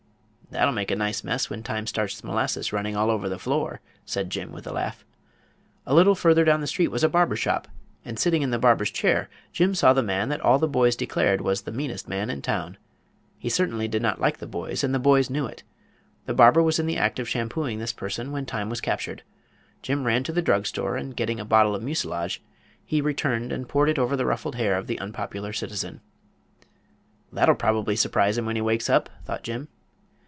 "That'll make a nice mess when Time starts the molasses running all over the floor," said Jim, with a laugh. A little further down the street was a barber shop, and sitting in the barber's chair Jim saw the man that all the boys declared was the "meanest man in town." He certainly did not like the boys and the boys knew it. The barber was in the act of shampooing this person when Time was captured. Jim ran to the drug store, and, getting a bottle of mucilage, he returned and poured it over the ruffled hair of the unpopular citizen. "That'll probably surprise him when he wakes up," thought Jim.